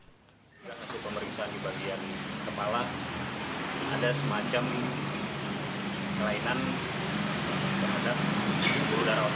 setelah hasil pemeriksaan di bagian kepala ada semacam kelainan terhadap pembuluh darah